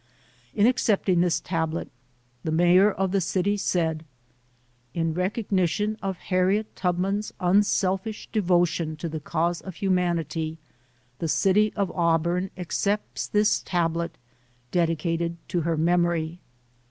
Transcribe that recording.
In accepting this tablet, the mayor of the city said, "In recognition of Harriet Tubman's unselfish devotion to the cause of hu manity, the city of Auburn accepts this tablet dedicated to her memory".